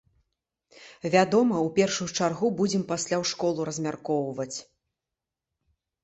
Вядома, у першую чаргу будзем пасля ў школу размяркоўваць.